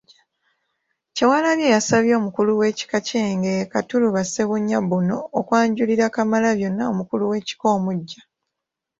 Kyewalabye yasabye omukulu w’ekika ky’Engeye Katuluba Ssebunya Bbuno, okwanjulira Kamalabyonna omukulu w’ekika omuggya.